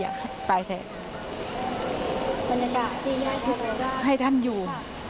อยากให้ท่านอยู่